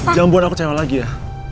jangan buat aku kecewa lagi ya